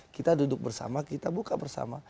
kita duduk bersama kita buka bersama